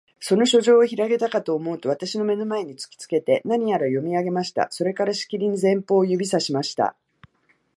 その書状をひろげたかとおもうと、私の眼の前に突きつけて、何やら読み上げました。それから、しきりに前方を指さしました。